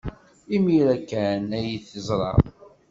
Imir-a kan ay t-teẓra.